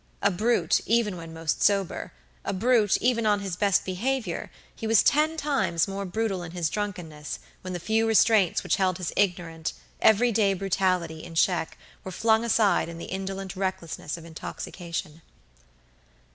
A brute, even when most sober; a brute, even on his best behavior, he was ten times more brutal in his drunkenness, when the few restraints which held his ignorant, every day brutality in check were flung aside in the indolent recklessness of intoxication.